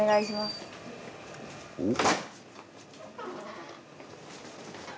おっ？